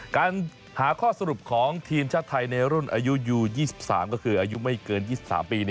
การหาข้อสรุปของทีมชาติไทยในรุ่นอายุอยู่๒๓ก็คืออายุไม่เกิน๒๓ปี